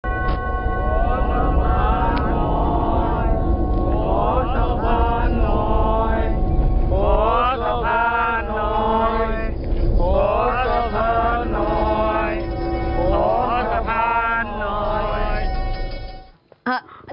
ขอสะพานหน่อยขอสะพานหน่อยขอสะพานหน่อยขอสะพานหน่อย